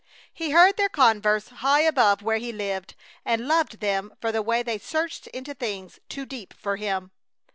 He heard their converse high above where he lived, and loved them for the way they searched into things too deep for him.